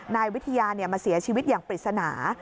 นายวิทยามาเสียชีวิตอย่างปริศนา